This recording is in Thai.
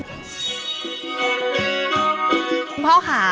คุณพ่อค่ะ